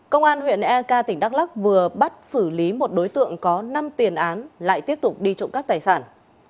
công an huyện ek tỉnh đắk lắc vừa bắt xử lý một đối tượng có năm tiền án lại tiếp tục đi trộm cắp tài sản